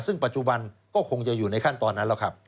ซึ่งปัจจุบันก็คงจะอยู่ในขั้นตอนนั้นแล้วครับ